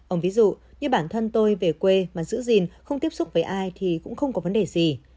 ông ví dụ như bản thân tôi về quê mà giữ gìn không tiếp xúc với ai thì cũng không có vấn đề gì